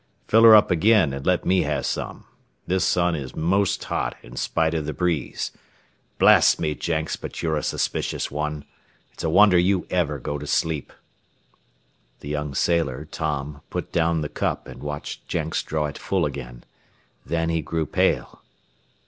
"Fill her up agin an' let me have some. This sun is most hot, in spite of the breeze. Blast me, Jenks, but you're a suspicious one. It's a wonder you ever go to sleep." The young sailor, Tom, put down the cup and watched Jenks draw it full again. Then he grew pale.